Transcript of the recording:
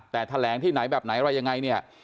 แต่แถลงที่ไหนแบบไหนอะไรยังไงเนี่ย